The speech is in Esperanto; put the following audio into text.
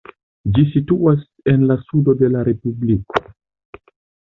Ĝi situas en la sudo de la respubliko.